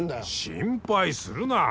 心配するな。